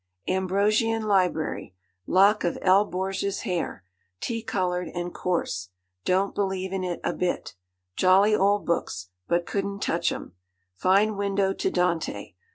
Ambrosian Library. Lock of L. Borgia's hair; tea coloured and coarse. Don't believe in it a bit. Jolly old books, but couldn't touch 'em. Fine window to Dante.